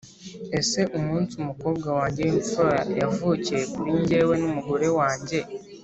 ese umunsi umukobwa wanjye w'imfura yavukiye kuri njyewe n'umugore wanjye